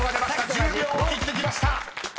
［１０秒を切ってきました］